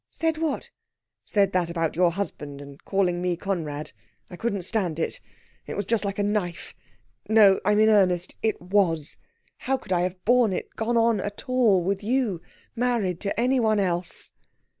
"Said what?" "Said that about your husband, and calling me Conrad. I couldn't stand it. It was just like a knife ... no, I'm in earnest, it was. How could I have borne it gone on at all with you married to any one else?"